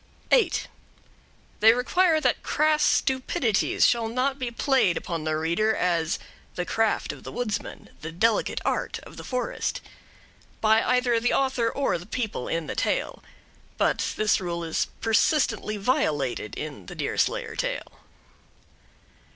8. They require that crass stupidities shall not be played upon the reader as "the craft of the woodsman, the delicate art of the forest," by either the author or the people in the tale. But this rule is persistently violated in the Deerslayer tale.